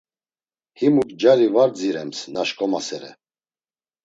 Himuk cari var dzirems na şkomasere.